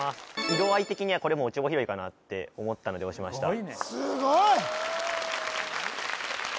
色合い的には「落穂拾い」かなって思ったので押しましたすごい！